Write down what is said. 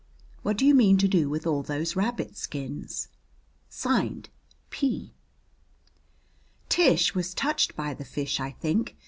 What do you mean to do with all those rabbit skins? (Signed) P. Tish was touched by the fish, I think.